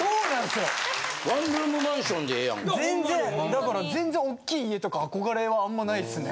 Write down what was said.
だから全然おっきい家とか憧れはあんまないっすね。